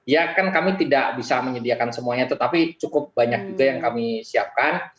ya kan kami tidak bisa menyediakan semuanya tetapi cukup banyak juga yang kami siapkan